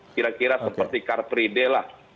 kira kira seperti carpreide lah